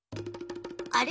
あれ？